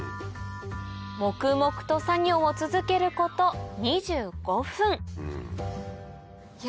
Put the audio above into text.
黙々と作業を続けること２５分いや